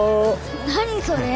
何それ？